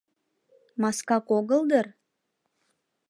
Маскак огыл дыр?